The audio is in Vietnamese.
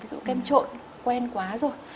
ví dụ kem trộn quen quá rồi